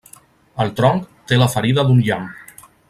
El tronc té la ferida d'un llamp.